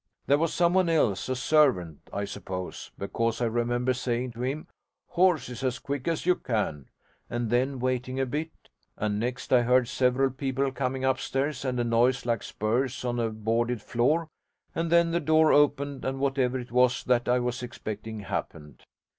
There was someone else a servant, I suppose, because I remember saying to him, "Horses, as quick as you can," and then waiting a bit: and next I heard several people coming upstairs and a noise like spurs on a boarded floor, and then the door opened and whatever it was that I was expecting happened.'